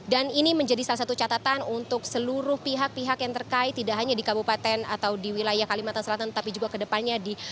dan ini menjadi salah satu catatan untuk seluruh pihak pihak yang terkait tidak hanya di kabupaten atau di wilayah kalimantan selatan